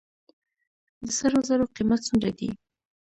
د سرو زرو قیمت څومره دی؟